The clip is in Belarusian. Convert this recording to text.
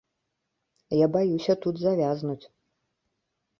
Я баюся тут завязнуць.